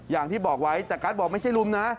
อย่างที่บอกไว้แต่การ์ดบอกไม่ใช่ลุมนะ